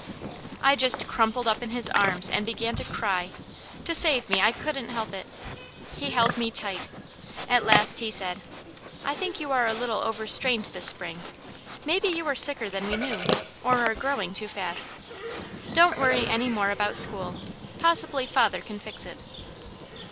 I just crumpled up in his arms and began to cry; to save me I couldn't help it. He held me tight. At last he said: "I think you are a little overstrained this spring. Maybe you were sicker than we knew, or are growing too fast. Don't worry any more about school. Possibly father can fix it."